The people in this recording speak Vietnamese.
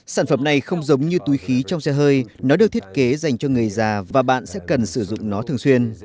sản phẩm này không giống như túi khí trong xe hơi nó được thiết kế dành cho người già và bạn sẽ cần sử dụng nó thường xuyên